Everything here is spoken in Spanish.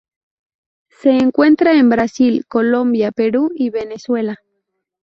Se encuentra en Brasil, Colombia, Perú y Venezuela.